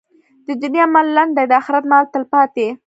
د دنیا مال لنډ دی، د اخرت مال تلپاتې.